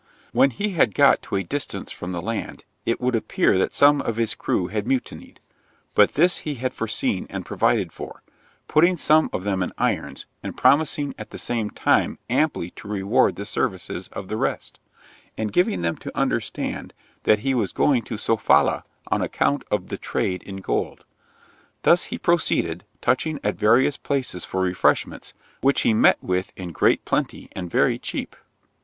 When he had got to a distance from the land, it would appear that some of his crew had mutinied; but this he had foreseen and provided for; putting some of them in irons, and promising at the same time amply to reward the services of the rest, and giving them to understand that he was going to Sofala on account of the trade in gold. Thus he proceeded, touching at various places for refreshments, which he met with in great plenty and very cheap.